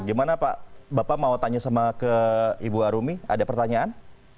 gimana pak bapak mau tanya sama ke ibu arumi ada pertanyaan